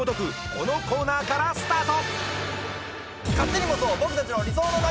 このコーナーからスタート